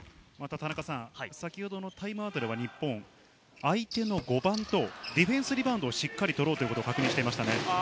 先ほどのタイムアウトでは日本、相手の５番とディフェンスリバウンドをしっかり取ろうと確認していました。